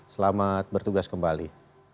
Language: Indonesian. selamat bertugas kembali